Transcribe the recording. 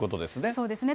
そうですね。